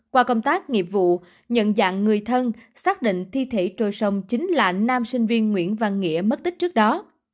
qua công tác nghiệp vụ nhận dạng người thân xác định thi thể trôi sông chính là nam sinh viên nguyễn văn nghĩa mất tích trước đó